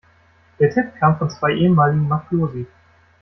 Der Tipp kam von zwei ehemaligen Mafiosi.